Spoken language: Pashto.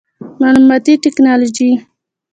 معلوماتي ټکنالوجي